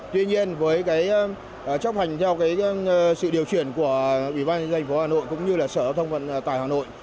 tuy nhiên với cái chấp hành theo cái sự điều chuyển của ủy ban thành phố hà nội cũng như là sở thông vận tài hà nội